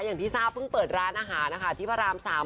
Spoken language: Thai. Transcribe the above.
อย่างที่ที่สาวเพิ่งเปิดร้านอาหารที่พระรามสาม